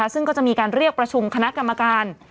ซึ่งก็จะมีการเรียกประชุมคณะกรรมการ